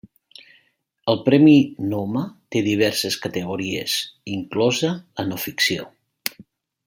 El Premi Noma té diverses categories, inclosa la no-ficció.